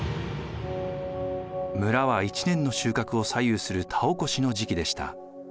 村は１年の収穫を左右する田おこしの時期でした。